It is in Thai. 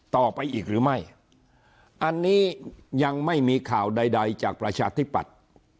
ต่อไปอีกหรือไม่อันนี้ยังไม่มีข่าวใดใดจากประชาธิปัตย์